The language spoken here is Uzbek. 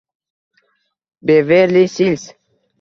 Beverli Sills